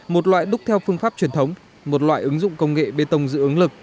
một loại đúc theo phương pháp truyền thống một loại ứng dụng công nghệ bê tông dự ứng lực